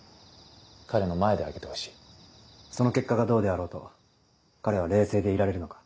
・彼の前で開けてほしい・その結果がどうであろうと彼は冷静でいられるのか？